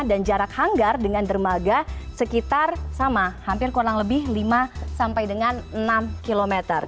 dan jarak hanggar dengan dermaga sekitar sama hampir kurang lebih lima sampai dengan enam km